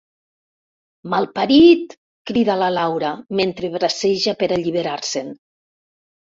Malparit! —crida la Laura, mentre braceja per alliberar-se'n.